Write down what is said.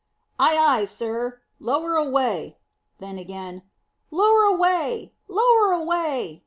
"Ay, ay, sir; lower away." Then again, "Lower away! Lower away!"